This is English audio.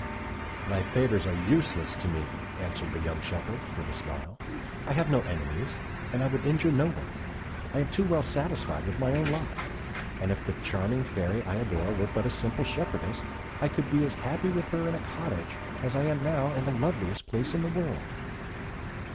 "Thy favours are useless to me," answered the young shepherd, with a smile; "I have no enemies, and I would injure no one; I am too well satisfied with my own lot; and if the charming Fairy I adore were but a simple shepherdess, I could be as happy with her in a cottage as I am now in the loveliest palace in the world."